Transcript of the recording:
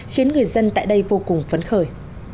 khiến người dân tại đây vô cùng phấn khởi